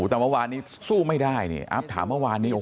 แต่เมื่อวานนี้สู้ไม่ได้นี่อัพถามเมื่อวานนี้